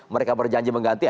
mereka berjanji mengganti